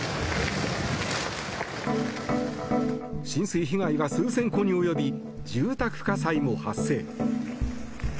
浸水被害は数千戸に及び住宅火災も発生。